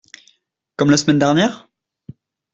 Comme la semaine dernière ?…